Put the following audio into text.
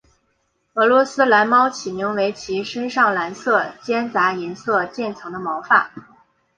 俄罗斯蓝猫起名为其身上蓝色间杂银色渐层的毛发。